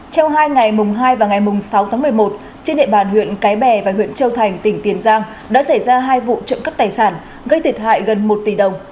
trong hai ngày mùng hai và ngày mùng sáu tháng một mươi một trên địa bàn huyện cái bè và huyện châu thành tỉnh tiền giang đã xảy ra hai vụ trộm cắp tài sản gây thiệt hại gần một tỷ đồng